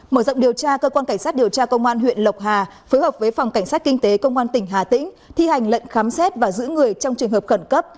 mở rộng điều tra cơ quan cảnh sát điều tra công an huyện lộc hà phối hợp với phòng cảnh sát kinh tế công an tỉnh hà tĩnh thi hành lệnh khám xét và giữ người trong trường hợp khẩn cấp